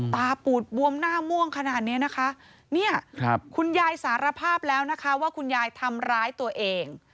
ปูดบวมหน้าม่วงขนาดเนี้ยนะคะเนี่ยคุณยายสารภาพแล้วนะคะว่าคุณยายทำร้ายตัวเอง